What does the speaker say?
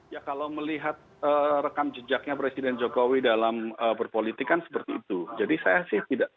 ya kalau melihat rekam jejaknya presiden jokowi dalam berpolitik kan seperti itu jadi saya sih tidak sepakat dengan mas nugi ya